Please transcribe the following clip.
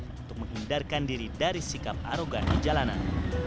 untuk menghindarkan diri dari sikap arogan di jalanan